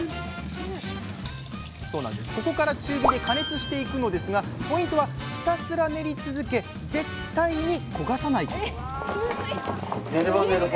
ここから中火で加熱していくのですがポイントはひたすら練り続け絶対に焦がさないことえムズ